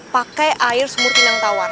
pakai air sumur pinang tawar